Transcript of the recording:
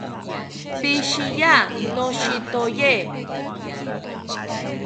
Pishiya, noshitoye